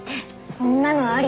そんなのあり？